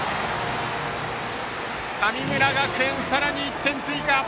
神村学園、さらに１点追加！